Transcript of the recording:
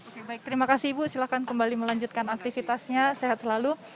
oke baik terima kasih ibu silakan kembali melanjutkan aktivitasnya sehat selalu